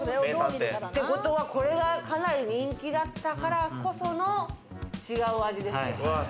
これは、かなり人気だったからこその違う味ですよ。